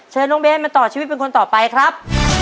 เชิญน้องเบสมาต่อชีวิตเป็นคนต่อไปครับ